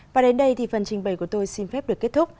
và đến đây thì phần trình bày của tôi xin phép được kết thúc